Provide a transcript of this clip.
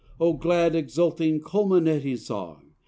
"O glad, exulting, culminating song!